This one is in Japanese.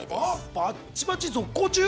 バッチバチ続行中？